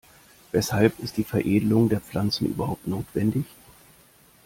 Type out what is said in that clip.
Weshalb ist die Veredelung der Pflanzen überhaupt notwendig?